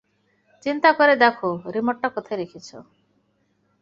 চিন্তা করে দেখো, রিমোটটা কোথায় রেখেছ?